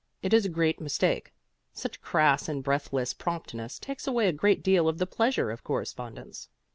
It is a great mistake. Such crass and breathless promptness takes away a great deal of the pleasure of correspondence.